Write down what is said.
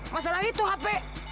masalah itu hp